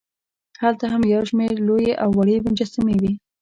هلته هم یوشمېر لوې او وړې مجسمې وې.